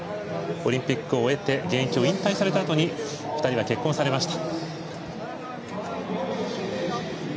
オリンピックを終えて現役を引退されたあとに２人は結婚されました。